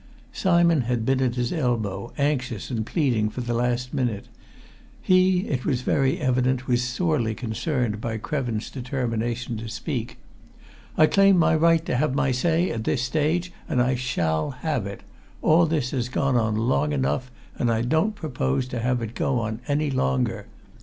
Simon had been at his elbow, anxious and pleading, for the last minute: he, it was very evident, was sorely concerned by Krevin's determination to speak. "I claim my right to have my say, at this stage, and I shall have it all this has gone on long enough, and I don't propose to have it go on any longer.